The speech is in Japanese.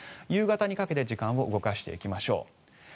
夕方にかけて時間を動かしていきましょう。